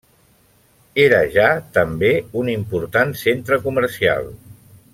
Era ja, també, un important centre comercial.